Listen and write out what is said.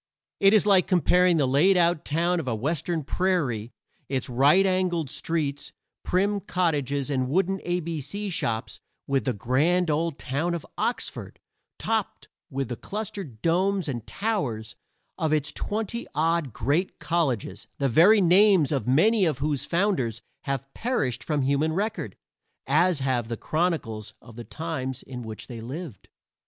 It is like comparing the laid out town of a western prairie, its right angled streets, prim cottages, and wooden a b c shops, with the grand old town of Oxford, topped with the clustered domes and towers of its twenty odd great colleges, the very names of many of whose founders have perished from human record, as have the chronicles of the times in which they lived.